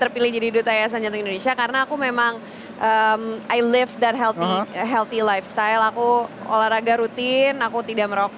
biasanya yang dilarang itu enak